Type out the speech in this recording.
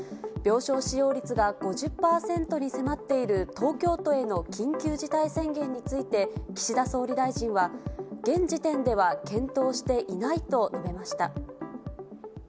病床使用率が５０％に迫っている東京都への緊急事態宣言について、岸田総理大臣は、現時点では検討していないと述べました。